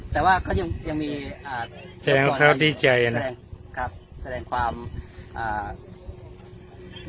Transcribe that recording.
แต่ว่าเขายังมีแสดงว่าเขาดีใจอ่ะครับแสดงความอ่า